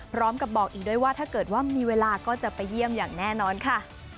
พร้อมกับบอกอีกด้วยว่าถ้าเกิดว่ามีเวลาก็จะไปเยี่ยมอย่างแน่นอนค่ะ